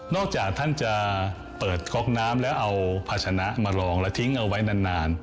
จากท่านจะเปิดก๊อกน้ำแล้วเอาภาชนะมาลองแล้วทิ้งเอาไว้นาน